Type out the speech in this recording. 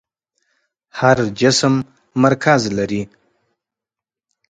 هر جسم مرکز لري.